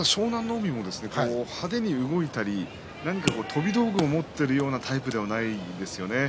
海も派手に動いたり何か飛び道具を持っているようなタイプではないですよね。